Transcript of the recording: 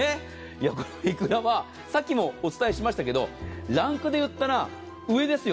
いくらはさっきもお伝えしましたがランクで言ったら上ですよ。